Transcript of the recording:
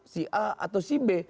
si a atau si b